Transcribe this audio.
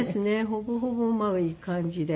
ほぼほぼまあいい感じで。